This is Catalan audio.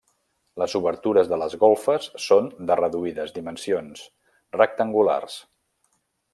Les obertures de les golfes són de reduïdes dimensions, rectangulars.